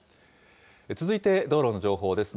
続いて道路の情報です。